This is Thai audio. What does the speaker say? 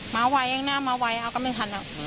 มาไวเองหน้ามาไวเอาก็ไม่ทัน